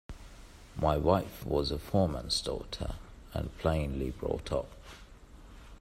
My wife was a foreman's daughter, and plainly brought up.